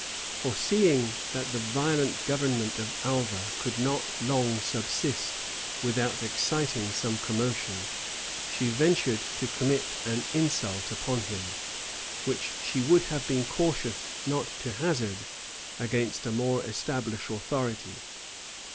Foreseeing that the violent government of Alva could not long subsist without exciting some commotion, she ventured to commit an insult upon him, which she would have been cautious not to hazard against a more established authority.